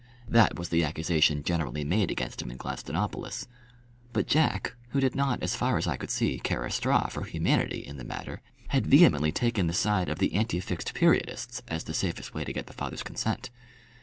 That was the accusation generally made against him in Gladstonopolis. But Jack, who did not, as far as I could see, care a straw for humanity in the matter, had vehemently taken the side of the Anti Fixed Periodists as the safest way to get the father's consent.